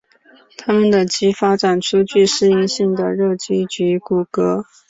它们的鳍发展出具适应性的肉鳍及骨骼。